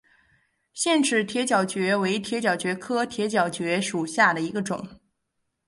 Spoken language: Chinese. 腺齿铁角蕨为铁角蕨科铁角蕨属下的一个种。